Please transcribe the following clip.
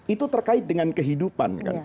itu terkait dengan kehidupan